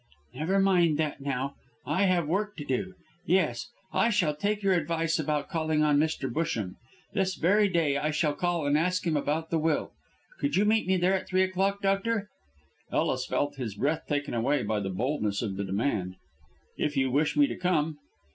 "Never mind that now. I have work to do. Yes! I shall take your advice about calling on Mr. Busham. This very day I shall call and ask him about the will. Could you meet me here at three o'clock, doctor?" Ellis felt his breath taken away by the boldness of the demand. "If you wish me to come."